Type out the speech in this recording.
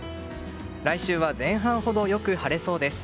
来週は前半ほどよく晴れそうです。